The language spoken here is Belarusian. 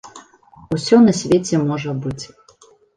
Усё на свеце можа быць.